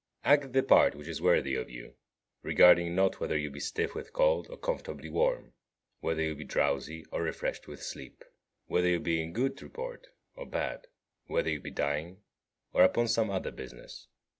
2. Act the part which is worthy of you, regarding not whether you be stiff with cold or comfortably warm; whether you be drowsy or refreshed with sleep; whether you be in good report or bad; whether you be dying or upon some other business.